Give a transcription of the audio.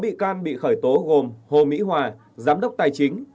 bốn bị can bị khởi tố gồm hồ mỹ hòa giám đốc tài chính